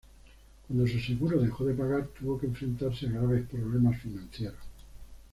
Cuando su seguro dejó de pagar, tuvo que enfrentarse a graves problemas financieros.